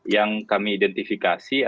yang kami identifikasi adalah ya